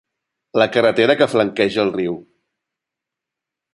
La carretera que flanqueja el riu.